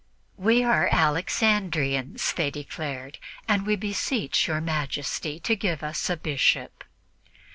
"We are Alexandrians," they declared, "and we beseech your Majesty to give us a Bishop."